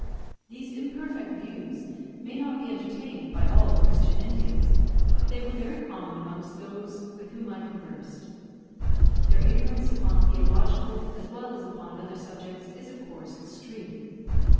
These imperfect views may not be entertained by all Christian Indians, but they were very common amongst those with whom I conversed. Their ignorance upon theological, as well as upon other subjects, is, of course, extreme.